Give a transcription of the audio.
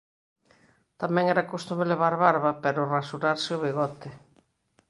Tamén era costume levar barba pero rasurarse o bigote.